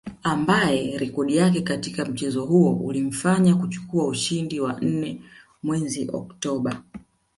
Ambaye rekodi yake katika mchezo huo ulimfanya kuchukua ushindi wa nne mwezi Oktoba